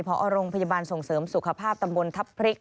พอโรงพยาบาลส่งเสริมสุขภาพตำบลทัพพริก